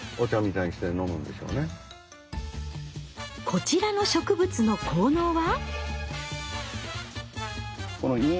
こちらの植物の効能は？